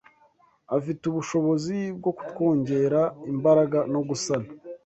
Afite ubushobozi bwo kutwongera imbaraga no gusana